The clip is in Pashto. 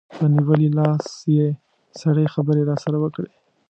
په نیولي لاس یې سړې خبرې راسره وکړې.